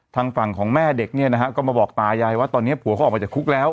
ทางฝั่งของแม่เด็กเนี่ยนะฮะก็มาบอกตายายว่าตอนนี้ผัวเขาออกมาจากคุกแล้ว